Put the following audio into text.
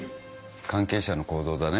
関係者の行動だね。